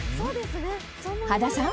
羽田さん